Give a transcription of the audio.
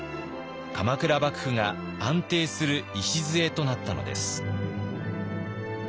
鎌倉幕府が安定する礎となったのです。